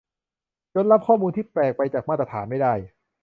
จนรับข้อมูลที่แปลกไปจากมาตรฐานไม่ได้